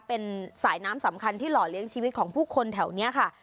เป็นสายน้ำสำคัญที่หล่อเลี้ยงชีวิตของผู้คนแถวนี้ค่ะ